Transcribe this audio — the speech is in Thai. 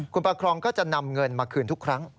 คุณประครองก็จะนำเงินมาคืนทุกครั้ง